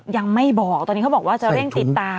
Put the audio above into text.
ยังไม่บอกตอนนี้เขาบอกว่าจะเร่งติดตาม